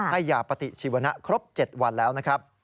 ให้ยาปฏิชีวนะครบ๗วันแล้วนะครับ